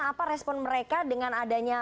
apa respon mereka dengan adanya